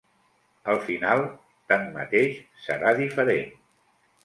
El final, tanmateix, serà diferent.